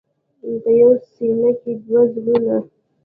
په یوه سینه کې دوه زړونه.